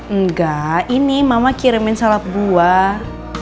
enggak ini mama kirimin salap buah